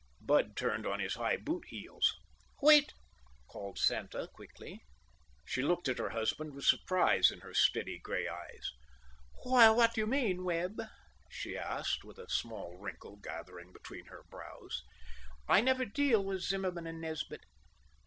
Bud turned on his high boot heels. "Wait!" called Santa quickly. She looked at her husband with surprise in her steady gray eyes. "Why, what do you mean, Webb?" she asked, with a small wrinkle gathering between her brows. "I never deal with Zimmerman and Nesbit.